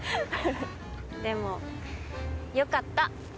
でもよかった。